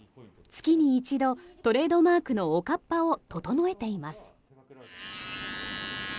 月に一度、トレードマークのおかっぱを整えています。